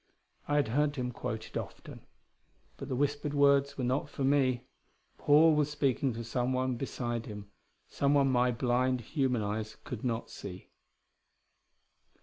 I had heard him quote it often. But the whispered words were not for me. Paul was speaking to someone beside him someone my blind, human eyes could not see....